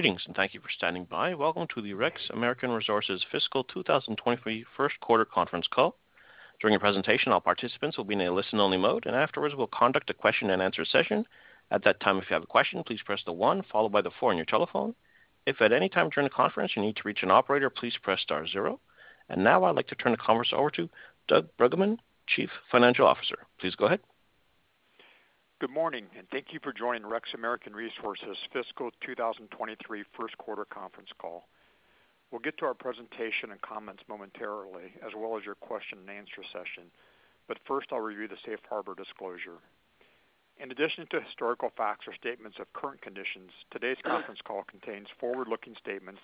Greetings, thank you for standing by. Welcome to the REX American Resources Fiscal 2023 First Quarter Conference Call. During the presentation, all participants will be in a listen-only mode. Afterwards, we'll conduct a question-and-answer session. At that time, if you have a question, please press the one followed by the four on your telephone. If at any time during the conference you need to reach an operator, please press star zero. Now I'd like to turn the conference over to Doug Bruggeman, Chief Financial Officer. Please go ahead. Good morning, and thank you for joining REX American Resources fiscal 2023 first quarter conference call. We'll get to our presentation and comments momentarily, as well as your question-and-answer session, but first, I'll review the safe harbor disclosure. In addition to historical facts or statements of current conditions, today's conference call contains forward-looking statements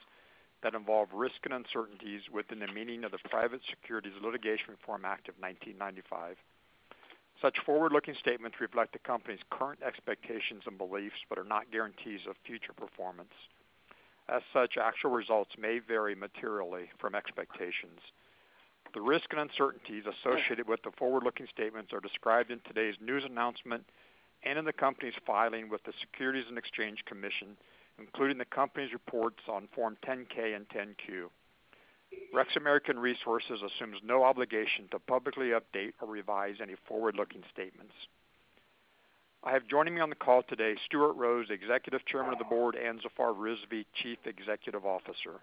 that involve risks and uncertainties within the meaning of the Private Securities Litigation Reform Act of 1995. Such forward-looking statements reflect the company's current expectations and beliefs, but are not guarantees of future performance. As such, actual results may vary materially from expectations. The risks and uncertainties associated with the forward-looking statements are described in today's news announcement and in the company's filing with the Securities and Exchange Commission, including the company's reports on Form 10-K and 10-Q. REX American Resources assumes no obligation to publicly update or revise any forward-looking statements. I have joining me on the call today, Stuart Rose, Executive Chairman of the Board, and Zafar Rizvi, Chief Executive Officer.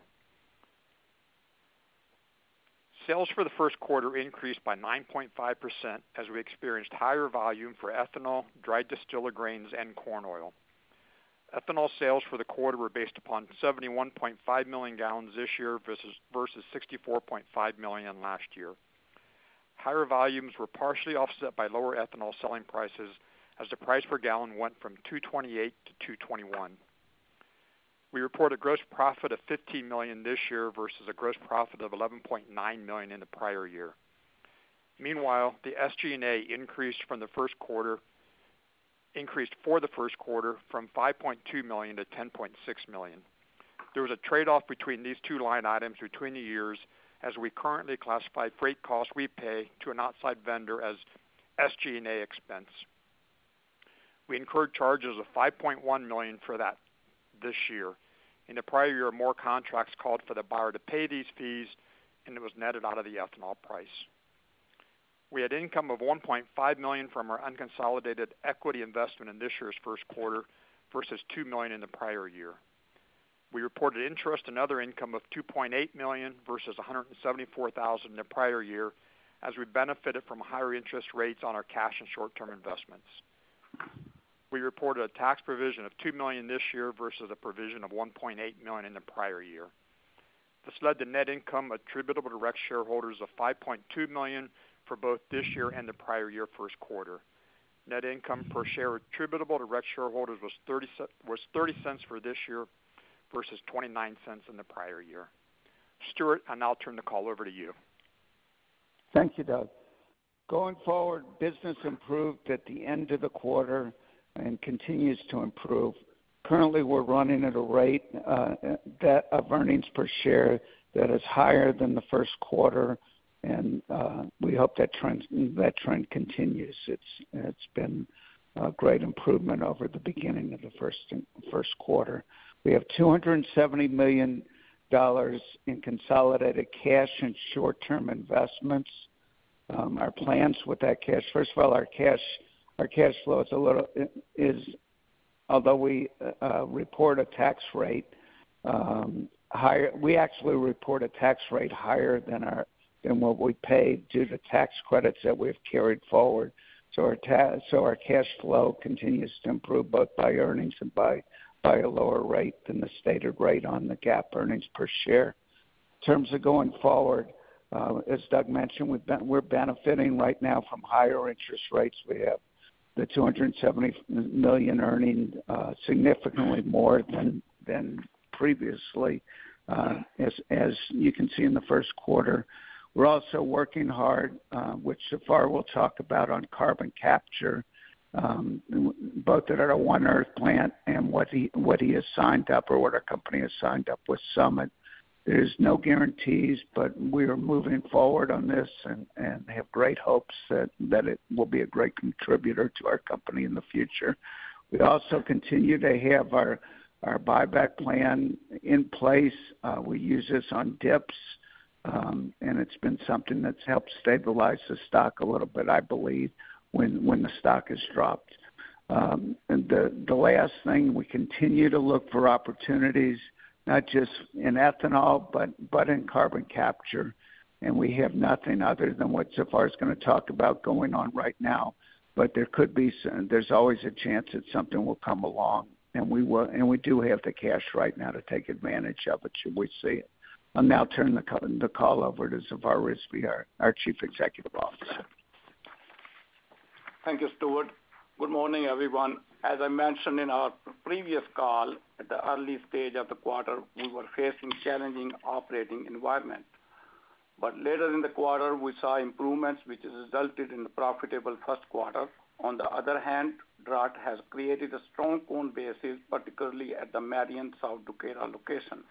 Sales for the first quarter increased by 9.5%, as we experienced higher volume for ethanol, dried distillers grains, and corn oil. Ethanol sales for the quarter were based upon 71.5 million gallons this year, versus 64.5 million last year. Higher volumes were partially offset by lower ethanol selling prices, as the price per gallon went from $2.28-$2.21. We report a gross profit of $15 million this year versus a gross profit of $11.9 million in the prior year. Meanwhile, the SG&A increased for the first quarter from $5.2 million-$10.6 million. There was a trade-off between these two line items between the years, as we currently classify freight costs we pay to an outside vendor as SG&A expense. We incurred charges of $5.1 million for that this year. In the prior year, more contracts called for the buyer to pay these fees, and it was netted out of the ethanol price. We had income of $1.5 million from our unconsolidated equity investment in this year's first quarter versus $2 million in the prior year. We reported interest and other income of $2.8 million versus $174,000 in the prior year, as we benefited from higher interest rates on our cash and short-term investments. We reported a tax provision of $2 million this year versus a provision of $1.8 million in the prior year. This led to net income attributable to REX shareholders of $5.2 million for both this year and the prior year first quarter. Net income per share attributable to REX shareholders was $0.30 for this year versus $0.29 in the prior year. Stuart, I now turn the call over to you. Thank you, Doug. Going forward, business improved at the end of the quarter and continues to improve. Currently, we're running at a rate of earnings per share that is higher than the first quarter, we hope that trend continues. It's been a great improvement over the beginning of the first quarter. We have $270 million in consolidated cash and short-term investments. Our plans with that cash. First of all, our cash flow is a little. We report a tax rate higher, we actually report a tax rate higher than our, than what we pay due to tax credits that we've carried forward. Our cash flow continues to improve both by earnings and by a lower rate than the stated rate on the GAAP earnings per share. In terms of going forward, as Doug mentioned, we're benefiting right now from higher interest rates. We have the $270 million earning, significantly more than previously, as you can see in the first quarter. We're also working hard, which Zafar will talk about, on carbon capture, both at our One Earth plant and what he has signed up or what our company has signed up with Summit. There's no guarantees. We are moving forward on this and have great hopes that it will be a great contributor to our company in the future. We also continue to have our buyback plan in place. We use this on dips, and it's been something that's helped stabilize the stock a little bit, I believe, when the stock has dropped. The last thing, we continue to look for opportunities, not just in ethanol, but in carbon capture, and we have nothing other than what Zafar is gonna talk about going on right now. There could be there's always a chance that something will come along, and we do have the cash right now to take advantage of it should we see it. I'll now turn the call over to Zafar Rizvi, our Chief Executive Officer. Thank you, Stuart. Good morning, everyone. As I mentioned in our previous call, at the early stage of the quarter, we were facing challenging operating environment. Later in the quarter, we saw improvements, which resulted in a profitable first quarter. On the other hand, drought has created a strong corn basis, particularly at the Marion South Dakota location.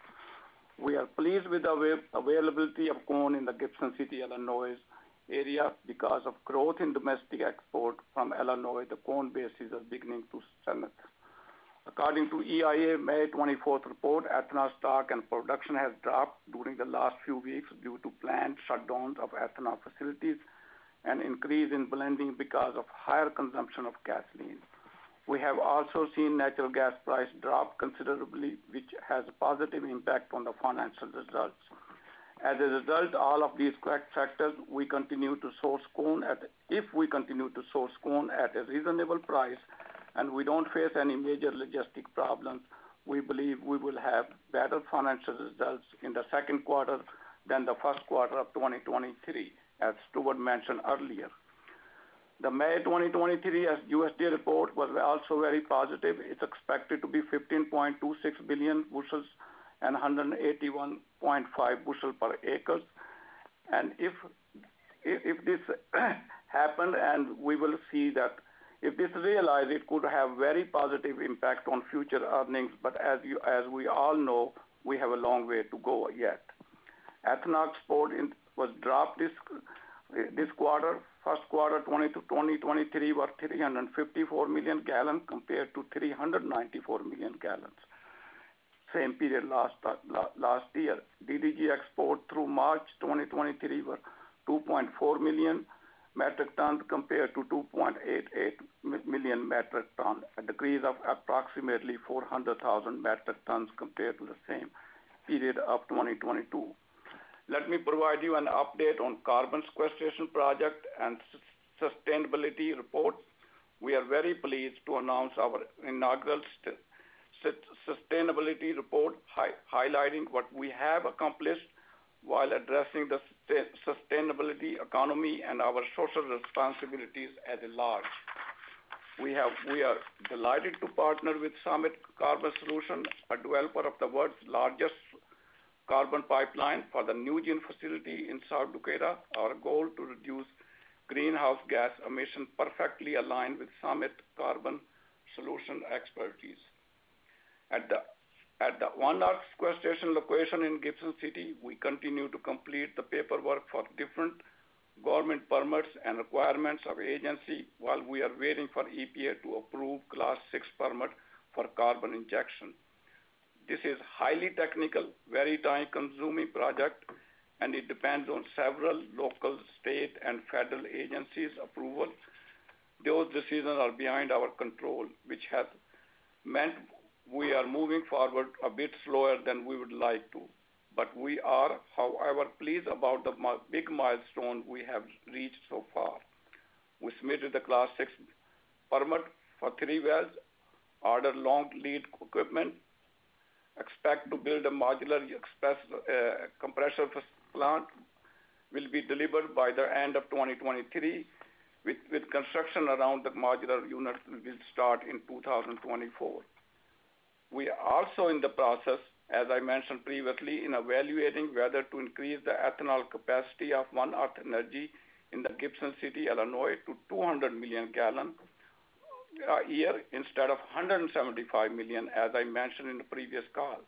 We are pleased with the availability of corn in the Gibson City, Illinois area. Because of growth in domestic export from Illinois, the corn bases are beginning to strengthen. According to EIA, May 24th report, ethanol stock and production has dropped during the last few weeks due to planned shutdowns of ethanol facilities and increase in blending because of higher consumption of gasoline. We have also seen natural gas price drop considerably, which has a positive impact on the financial results. As a result, all of these correct factors, If we continue to source corn at a reasonable price, and we don't face any major logistic problems, we believe we will have better financial results in the second quarter than the first quarter of 2023, as Stuart mentioned earlier. The May 2023, as USDA report, was also very positive. It's expected to be 15.26 billion bushels and 181.5 bushel per acres. If this happened, we will see that if this realized, it could have very positive impact on future earnings, as we all know, we have a long way to go yet. Ethanol export in, was dropped this quarter, first quarter, 20 to 2023, were 354 million gallon, compared to 394 million gallons, same period last year. DDG export through March 2023 were 2.4 million metric tons compared to 2.88 million metric tons, a decrease of approximately 400,000 metric tons compared to the same period of 2022. Let me provide you an update on carbon sequestration project and sustainability report. We are very pleased to announce our inaugural sustainability report, highlighting what we have accomplished while addressing the sustainability, economy, and our social responsibilities at large. We are delighted to partner with Summit Carbon Solutions, a developer of the world's largest carbon pipeline for the NuGen facility in South Dakota. Our goal to reduce greenhouse gas emissions perfectly aligned with Summit Carbon Solutions expertise. At the One Earth Energy sequestration location in Gibson City, we continue to complete the paperwork for different government permits and requirements of agency, while we are waiting for EPA to approve Class VI permit for carbon injection. This is highly technical, very time-consuming project, and it depends on several local, state, and federal agencies' approval. Those decisions are behind our control, which has meant we are moving forward a bit slower than we would like to. We are, however, pleased about the big milestone we have reached so far. We submitted the Class VI permit for three wells, order long lead equipment, expect to build a modular express compressor plant, will be delivered by the end of 2023, with construction around the modular unit will start in 2024. We are also in the process, as I mentioned previously, in evaluating whether to increase the ethanol capacity of One Earth Energy in the Gibson City, Illinois, to 200 million gallons a year instead of 175 million, as I mentioned in the previous call.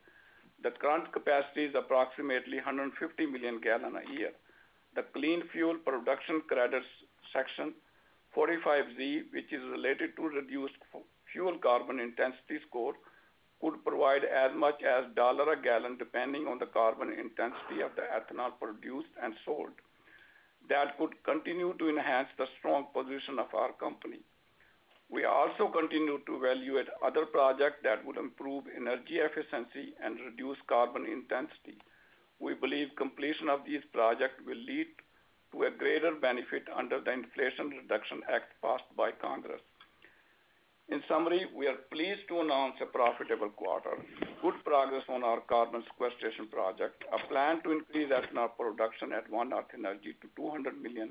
The current capacity is approximately 150 million gallons a year. The Clean Fuel Production Credit Section 45Z, which is related to reduced fuel carbon intensity score, could provide as much as $1 a gallon, depending on the carbon intensity of the ethanol produced and sold. That could continue to enhance the strong position of our company. We also continue to evaluate other project that would improve energy efficiency and reduce carbon intensity. We believe completion of these project will lead to a greater benefit under the Inflation Reduction Act passed by Congress. In summary, we are pleased to announce a profitable quarter, good progress on our carbon sequestration project, a plan to increase ethanol production at One Earth Energy to 200 million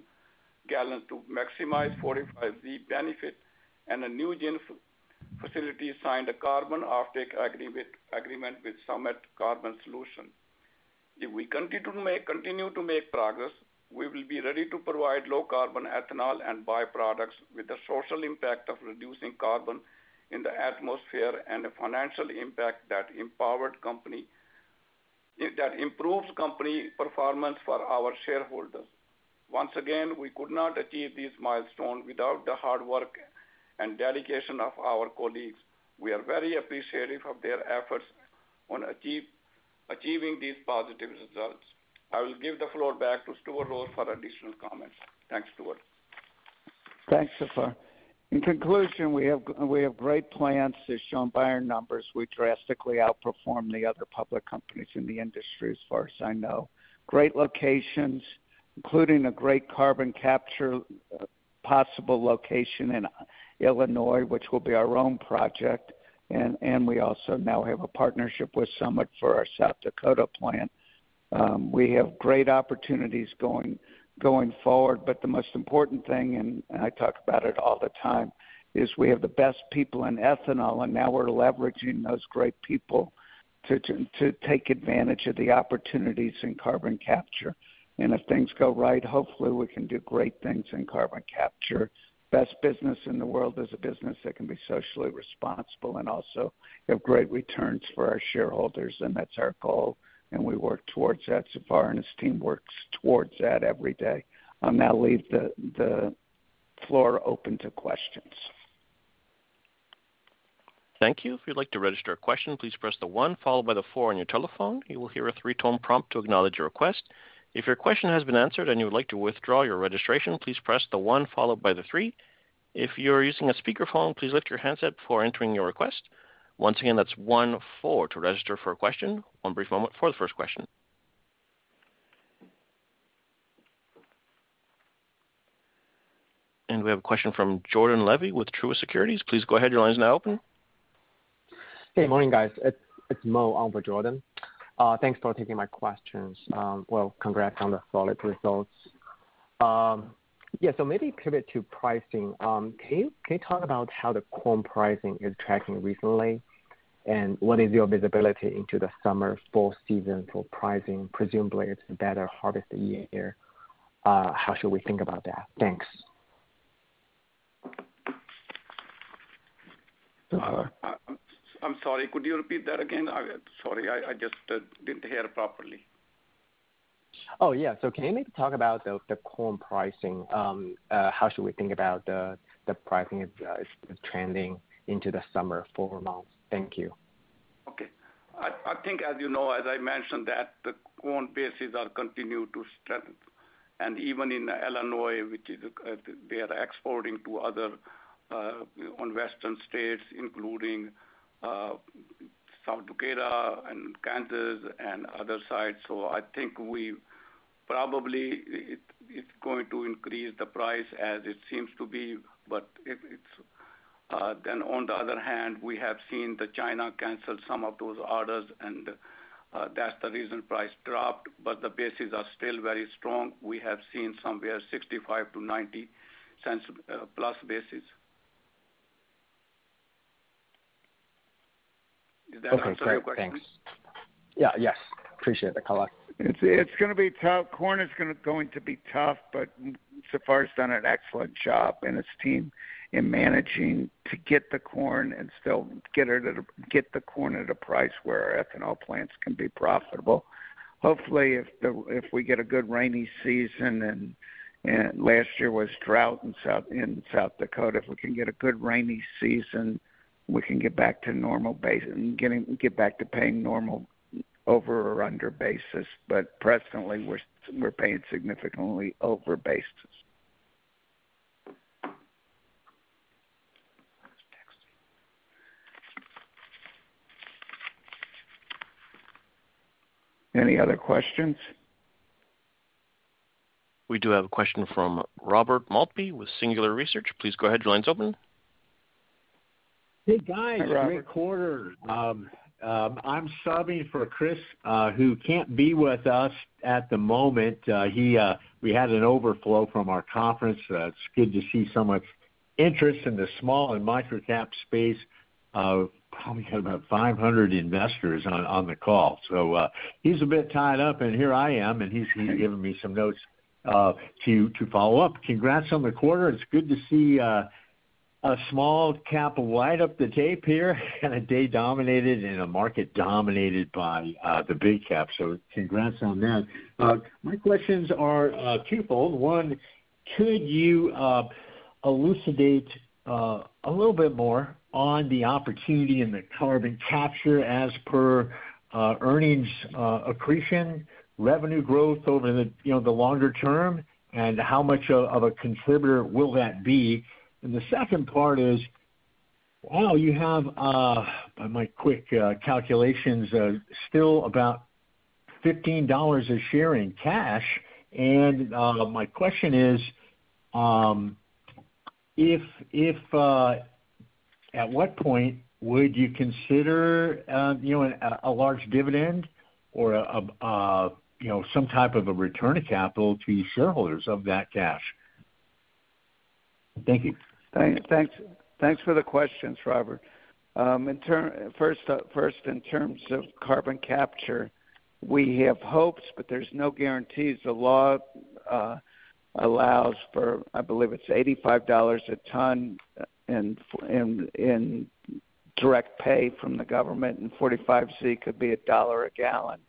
gallons to maximize 45Z benefit, and a NuGen facility signed a carbon offtake agreement with Summit Carbon Solutions. If we continue to make progress, we will be ready to provide low carbon ethanol and byproducts with the social impact of reducing carbon in the atmosphere and the financial impact that if that improves company performance for our shareholders. Once again, we could not achieve this milestone without the hard work and dedication of our colleagues. We are very appreciative of their efforts on achieving these positive results. I will give the floor back to Stuart Rose for additional comments. Thanks, Stuart. Thanks, Zafar. In conclusion, we have great plans, as shown by our numbers. We drastically outperform the other public companies in the industry, as far as I know. Great locations, including a great carbon capture, possible location in Illinois, which will be our own project. We also now have a partnership with Summit for our South Dakota plant. We have great opportunities going forward, but the most important thing, and I talk about it all the time, is we have the best people in ethanol, and now we're leveraging those great people to take advantage of the opportunities in carbon capture. If things go right, hopefully, we can do great things in carbon capture. Best business in the world is a business that can be socially responsible and also have great returns for our shareholders. That's our goal. We work towards that. Zafar and his team works towards that every day. I'll now leave the floor open to questions. Thank you. If you'd like to register a question, please press the one followed by the four on your telephone. You will hear a three-tone prompt to acknowledge your request. If your question has been answered and you would like to withdraw your registration, please press the one followed by the three. If you're using a speakerphone, please lift your handset before entering your request. Once again, that's one, four to register for a question. One brief moment for the first question. We have a question from Jordan Levy with Truist Securities. Please go ahead. Your line is now open. Hey, morning, guys. It's Mo on for Jordan. Thanks for taking my questions. Well, congrats on the solid results. Yeah, maybe pivot to pricing. Can you talk about how the corn pricing is tracking recently, and what is your visibility into the summer, fall season for pricing? Presumably, it's a better harvest year. How should we think about that? Thanks. I'm sorry, could you repeat that again? I just didn't hear properly. Oh, yeah. Can you maybe talk about the corn pricing? How should we think about the pricing is trending into the summer, fall months? Thank you. Okay. I think, as you know, as I mentioned, that the corn bases are continue to strengthen. Even in Illinois, which is, they are exporting to other on western states, including South Dakota and Kansas and other sites. I think we probably, it's going to increase the price as it seems to be, but it's. On the other hand, we have seen that China cancel some of those orders, and that's the reason price dropped, but the bases are still very strong. We have seen somewhere $0.65-$0.90 plus basis. Does that answer your question? Okay, great. Thanks. Yeah. Yes. Appreciate the color. It's gonna be tough. Corn is gonna be tough, but Zafar's done an excellent job and his team in managing to get the corn and still get the corn at a price where our ethanol plants can be profitable. Hopefully, if we get a good rainy season and last year was drought in South Dakota. If we can get a good rainy season, we can get back to normal basis, get back to paying normal over or under basis, but presently, we're paying significantly over basis. Any other questions? We do have a question from Robert Maltbie, with Singular Research. Please go ahead. Your line's open. Hey, guys. Hi, Robert. Great quarter. I'm subbing for Chris, who can't be with us at the moment. We had an overflow from our conference. It's good to see so much interest in the small and microcap space. Probably had about 500 investors on the call. He's a bit tied up, and here I am, and he's giving me some notes to follow up. Congrats on the quarter. It's good to see a small cap light up the tape here, and a day dominated and a market dominated by the big caps. Congrats on that. My questions are twofold. One, could you elucidate a little bit more on the opportunity and the carbon capture as per earnings accretion, revenue growth over the, you know, the longer term, and how much of a contributor will that be? The second part is, wow, you have by my quick calculations still about $15 a share in cash. My question is, At what point would you consider, you know, a large dividend or, you know, some type of a return of capital to shareholders of that cash? Thank you. Thanks for the questions, Robert. First, in terms of carbon capture, we have hopes, but there's no guarantees. The law allows for, I believe it's $85 a ton in direct pay from the government, and 45 C could be $1 a gallon.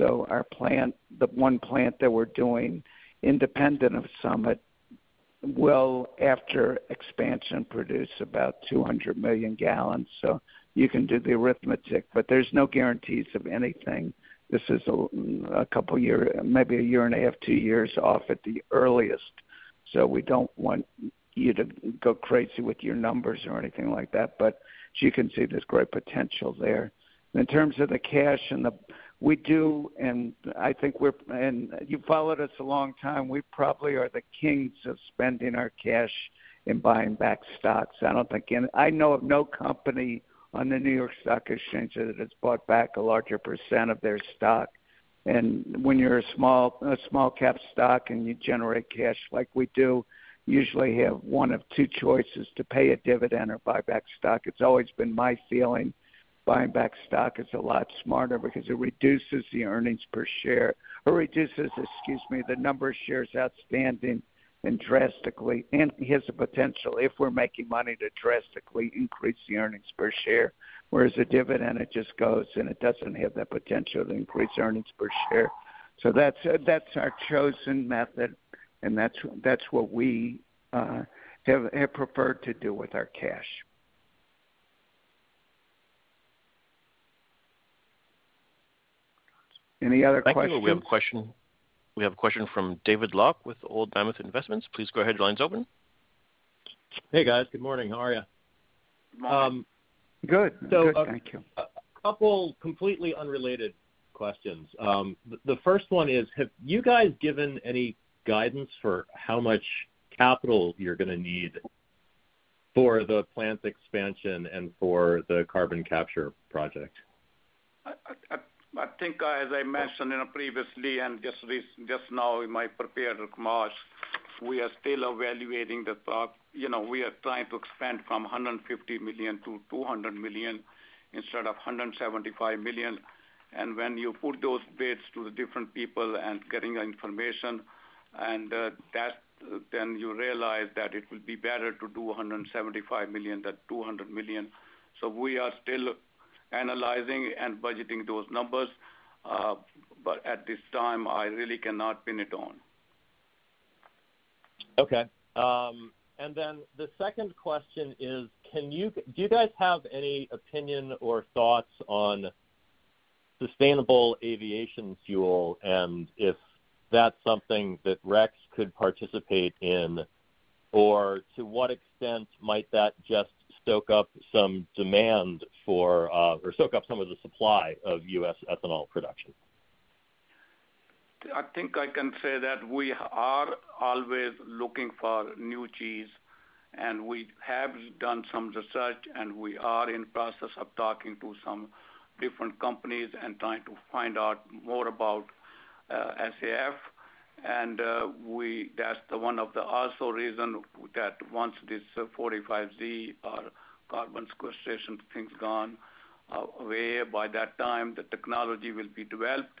Our plant, the one plant that we're doing, independent of Summit, will, after expansion, produce about 200 million gallons. You can do the arithmetic, but there's no guarantees of anything. This is a couple year, maybe a year and a half, two years off at the earliest. We don't want you to go crazy with your numbers or anything like that, but you can see there's great potential there. In terms of the cash and the... We do, and I think we're and you followed us a long time, we probably are the kings of spending our cash in buying back stocks. I don't think I know of no company on the New York Stock Exchange that has bought back a larger percent of their stock. When you're a small cap stock and you generate cash like we do, you usually have one of two choices, to pay a dividend or buy back stock. It's always been my feeling, buying back stock is a lot smarter because it reduces the earnings per share, or excuse me, the number of shares outstanding, and drastically, and has the potential, if we're making money, to drastically increase the earnings per share. Whereas a dividend, it just goes, and it doesn't have the potential to increase earnings per share. That's our chosen method, and that's what we have preferred to do with our cash. Any other questions? Thank you. We have a question from David Locke with Old Dominion Investments. Please go ahead. Your line is open. Hey, guys. Good morning. How are you? Good. Good, thank you. A couple completely unrelated questions. The first one is, have you guys given any guidance for how much capital you're gonna need for the plant expansion and for the carbon capture project? I think, as I mentioned previously and just now in my prepared remarks, we are still evaluating the, you know, we are trying to expand from 150 million to 200 million instead of 175 million. When you put those bids to the different people and getting information and that, then you realize that it will be better to do 175 million than 200 million. We are still analyzing and budgeting those numbers, but at this time I really cannot pin it on. Okay. The second question is, do you guys have any opinion or thoughts on sustainable aviation fuel, and if that's something that REX could participate in, or to what extent might that just stoke up some demand for, or stoke up some of the supply of U.S. ethanol production? I think I can say that we are always looking for new cheese. We have done some research. We are in process of talking to some different companies and trying to find out more about SAF. That's the one of the also reason that once this 45Z or carbon sequestration things gone away, by that time the technology will be developed.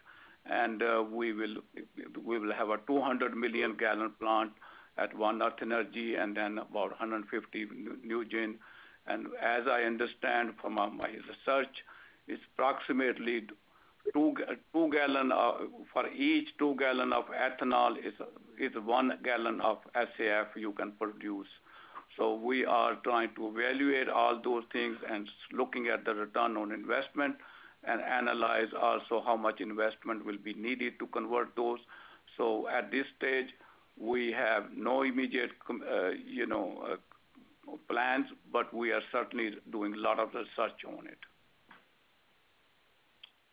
We will have a 200 million gallon plant at One Earth Energy and then about 150 NuGen. As I understand from my research, it's approximately 2 gallon for each 2 gallon of ethanol is 1 gallon of SAF you can produce. We are trying to evaluate all those things and looking at the return on investment and analyze also how much investment will be needed to convert those. At this stage, we have no immediate you know, plans, but we are certainly doing a lot of research on it.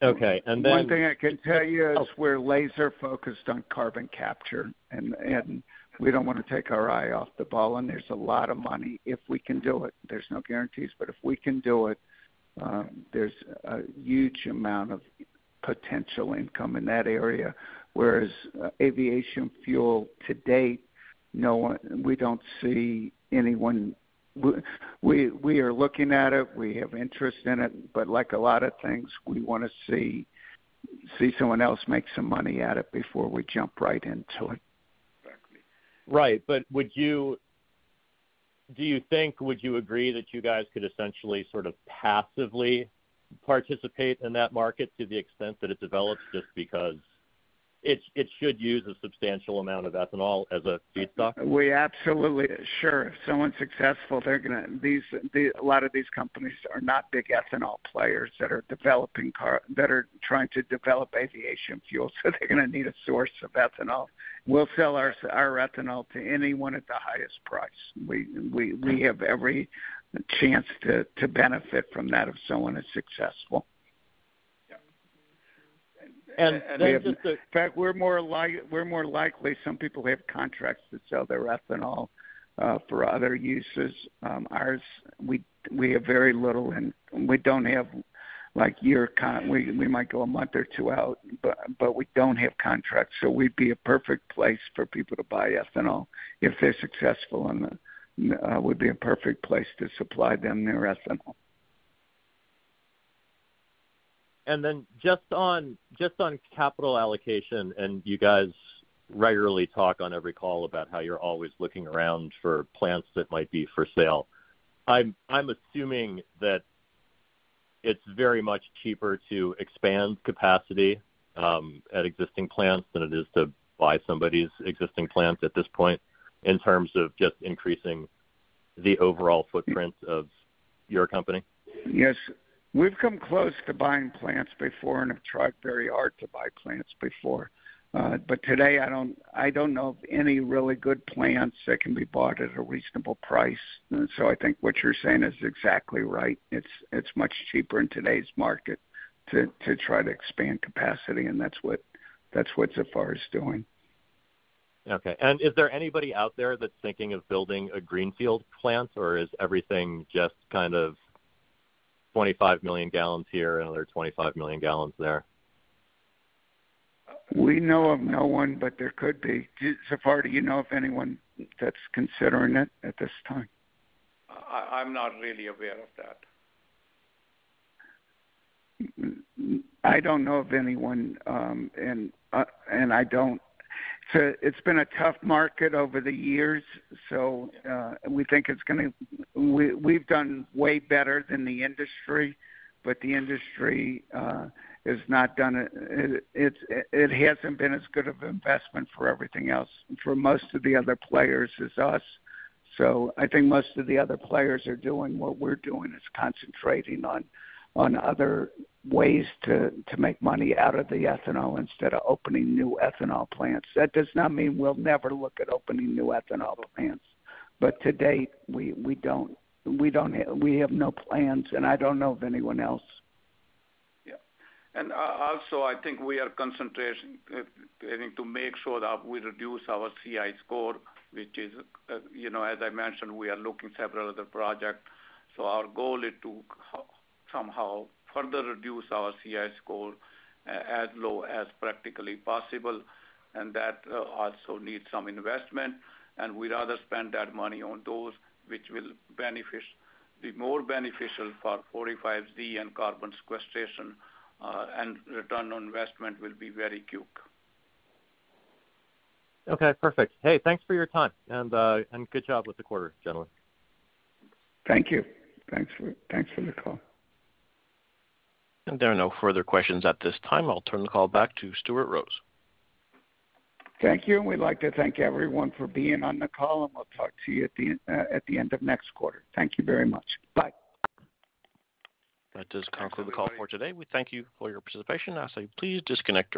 Okay. One thing I can tell you is we're laser focused on carbon capture, and we don't want to take our eye off the ball, and there's a lot of money if we can do it. There's no guarantees, but if we can do it, there's a huge amount of potential income in that area, whereas aviation fuel to date, no one. We don't see anyone. We are looking at it, we have interest in it, but like a lot of things, we wanna see someone else make some money at it before we jump right into it. Exactly. Right. Do you think, would you agree that you guys could essentially sort of passively participate in that market to the extent that it develops, just because it's, it should use a substantial amount of ethanol as a feedstock? We absolutely. Sure. If someone's successful, a lot of these companies are not big ethanol players that are developing that are trying to develop aviation fuel, so they're gonna need a source of ethanol. We'll sell our ethanol to anyone at the highest price. We have every chance to benefit from that if someone is successful. Yeah. In fact, we're more likely some people who have contracts to sell their ethanol for other uses. Ours, we have very little, and we don't have, like, We might go a month or two out, but we don't have contracts, so we'd be a perfect place for people to buy ethanol. If they're successful, we'd be a perfect place to supply them their ethanol. Just on, just on capital allocation, you guys regularly talk on every call about how you're always looking around for plants that might be for sale. I'm assuming that it's very much cheaper to expand capacity at existing plants than it is to buy somebody's existing plants at this point, in terms of just increasing the overall footprint of your company. Yes. We've come close to buying plants before and have tried very hard to buy plants before. Today, I don't know of any really good plants that can be bought at a reasonable price. I think what you're saying is exactly right. It's much cheaper in today's market to try to expand capacity, that's what Zafar is doing. Okay. Is there anybody out there that's thinking of building a greenfield plant, or is everything just kind of 25 million gallons here, another 25 million gallons there? We know of no one, but there could be. Zafar, do you know of anyone that's considering it at this time? I'm not really aware of that. I don't know of anyone. It's been a tough market over the years. We've done way better than the industry, but the industry has not done it. It hasn't been as good of investment for everything else, for most of the other players as us. I think most of the other players are doing what we're doing, is concentrating on other ways to make money out of the ethanol instead of opening new ethanol plants. That does not mean we'll never look at opening new ethanol plants. To date, we don't, we have no plans, and I don't know of anyone else. Yeah. Also, I think we are concentrating to make sure that we reduce our CI score, which is, you know, as I mentioned, we are looking several other project. Our goal is to somehow further reduce our CI score as low as practically possible, and that also needs some investment, and we'd rather spend that money on those which will be more beneficial for 45Z and carbon sequestration, and return on investment will be very quick. Okay, perfect. Hey, thanks for your time, and good job with the quarter, gentlemen. Thank you. Thanks for the call. There are no further questions at this time. I'll turn the call back to Stuart Rose. Thank you, we'd like to thank everyone for being on the call, and we'll talk to you at the end of next quarter. Thank you very much. Bye. That does conclude the call for today. We thank you for your participation. I say please disconnect your lines.